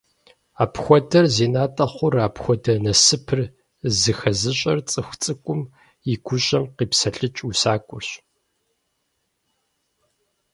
Апхуэдэр зи натӀэ хъур, апхуэдэ насыпыр зыхэзыщӀэр цӀыху цӀыкӀум и гущӀэм къипсэлъыкӀ усакӀуэрщ.